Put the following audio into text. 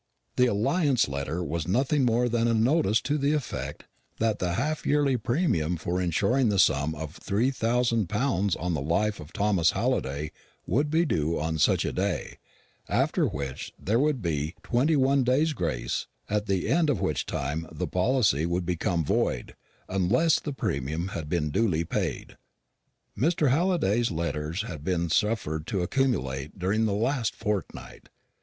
The "Alliance" letter was nothing more than a notice to the effect that the half yearly premium for insuring the sum of three thousand pounds on the life of Thomas Halliday would be due on such a day, after which there would be twenty one days' grace, at the end of which time the policy would become void, unless the premium had been duly paid. Mr. Halliday's letters had been suffered to accumulate during the last fortnight.